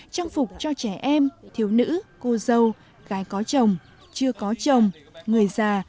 trang phục cho trẻ em thiếu nữ cô dâu cái có chồng chưa có chồng người già